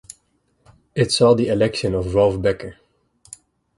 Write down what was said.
It saw the election of Ralph Becker.